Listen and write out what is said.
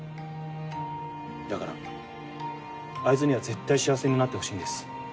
だからあいつには絶対幸せになってほしいんです。